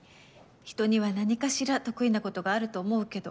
人には何かしら得意なことがあると思うけど。